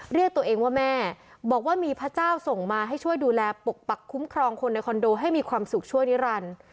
เรียกตัวเองว่าแม่บอกว่ามีพระเจ้าส่งมาให้ช่วยดูแลปกปักคุ้มครองคนในคอนโดให้มีความสุขช่วยนิรันดิ์